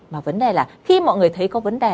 mà vấn đề là khi mọi người thấy có vấn đề